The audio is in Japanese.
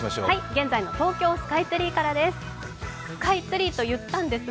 現在の東京スカイツリーからです。